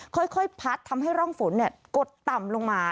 ค่อยพัดทำให้ร่องฝนกดต่ำลงมา